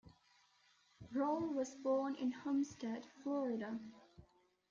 Rolle was born in Homestead, Florida.